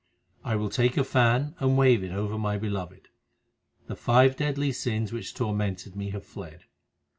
I will take a fan and wave it over my Beloved. The five deadly sins which tormented me have fled.